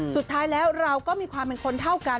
สุดท้ายแล้วเราก็มีความเป็นคนเท่ากัน